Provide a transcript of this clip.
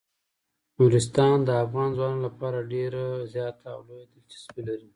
نورستان د افغان ځوانانو لپاره ډیره زیاته او لویه دلچسپي لري.